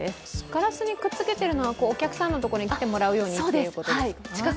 ガラスにくっつけてるのは、お客さんのところに来てもらうようにということですか？